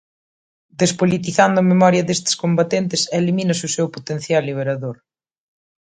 Despolitizando a memoria destes combatentes, elimínase o seu potencial liberador.